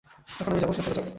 যখন আমি যাবো, সেও চলে যাবে।